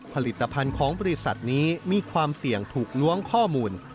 ผลิตภัณฑ์ของบริษัทนี้มีความเสี่ยงถูกล้วงข้อมูล